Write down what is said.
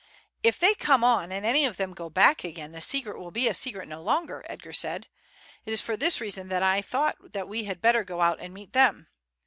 "If they come on and any of them go back again the secret will be a secret no longer," Edgar said. "It is for this reason that I thought that we had better go out and meet them.